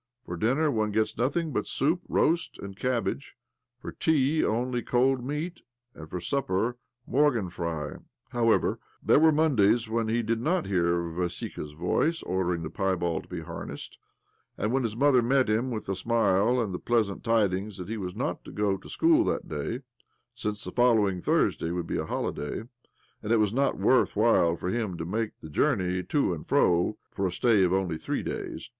' For dinner one gets nothing but soup, roast, and cabbage, for tea only cold meat, and for supper morgen fri" i However, there were Mondays when he did not hear Vassika's voice ordering the pie bald to be harnessed, and when his mother met him with a smile and the pleasant tidings that he was not to go to school that day, since the following Thursday, would be a ' German black pudding. 48 OBLOMOV holiday, and it was not worth while for him to make the journey to and fro for a stay only of three days.